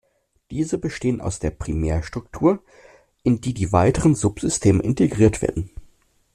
Diese bestehen aus der Primärstruktur, in die die weiteren Subsysteme integriert werden.